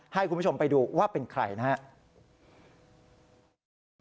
ให้คุณผู้ชมไปดูว่าเป็นใครนะครับ